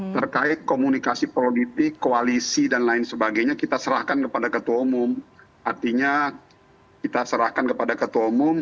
terkait komunikasi politik koalisi dan lain sebagainya kita serahkan kepada ketua umum